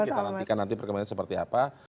kita nantikan nanti perkembangan seperti apa